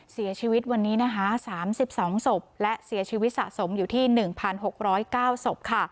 เสียชีวิตวันนี้นะคะ๓๒ศพและเสียชีวิตสะสมอยู่ที่๑๖๐๙ศพ